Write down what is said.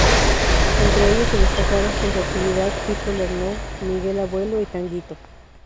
Entre ellos, se destacaban por su actividad Pipo Lernoud, Miguel Abuelo y Tanguito.